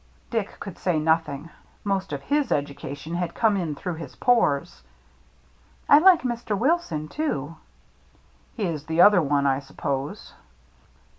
Dick could say nothing. Most of his educa tion had come in through his pores. « I like Mr. Wilson, too." " He is the other one, I suppose